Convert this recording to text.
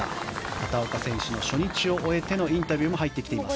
畑岡選手の初日を終えてのインタビューも入ってきました。